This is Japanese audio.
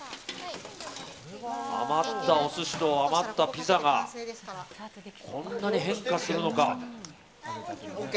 余ったお寿司と余ったピザがこんなに変化するのか。